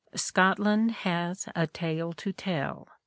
Scotland has a tale to tell.